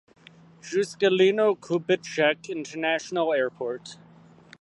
Juscelino Kubitschek International Airport.